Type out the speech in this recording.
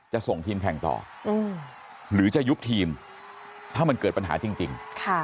ส่งทีมแข่งต่อหรือจะยุบทีมถ้ามันเกิดปัญหาจริง